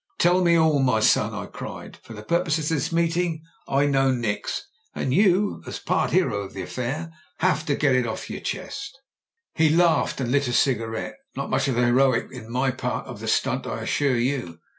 "Tell me all, my son !" I cried. ' "For the purposes of this meeting I know nix, and you as part hero in the affair have got to get it off your chest." He laughed, and lit a cigarette. "Not much of the heroic in my part of the stunt, I assure you.